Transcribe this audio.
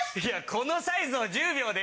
このサイズを１０秒で？